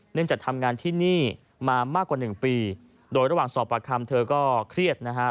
จากทำงานที่นี่มามากกว่าหนึ่งปีโดยระหว่างสอบประคำเธอก็เครียดนะฮะ